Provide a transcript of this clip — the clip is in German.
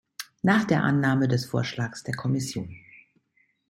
Nach der Annahme des Vorschlags der Kommission.